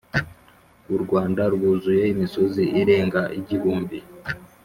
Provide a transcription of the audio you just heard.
U Rwanda rwuzuye imisozi irenga igihumbi